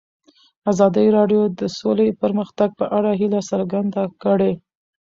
ازادي راډیو د سوله د پرمختګ په اړه هیله څرګنده کړې.